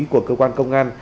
của cơ quan công an